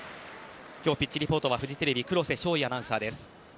今日ピッチリポートはフジテレビの黒瀬翔生アナウンサー。